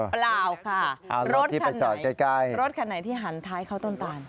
เปล่าค่ะรถคันไหนรถคันไหนที่หันท้ายเข้าต้นตาน